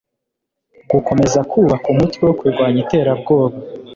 gukomeza kubaka umutwe wo kurwanya iterabwoba